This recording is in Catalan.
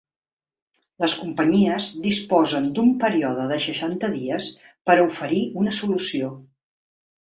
Les companyies disposen d’un període de seixanta dies per a oferir una solució.